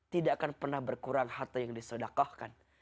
tidak akan pernah berkurang harta yang disedakahkan